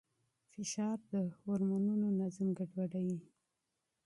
فشار د هورمونونو نظم ګډوډوي.